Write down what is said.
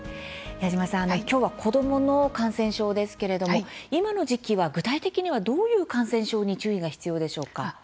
矢島さん、きょうは子どもの感染症ですけれども今の時期は具体的にはどういう感染症に注意が必要でしょうか？